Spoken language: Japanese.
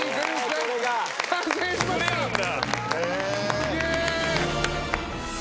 すげえ。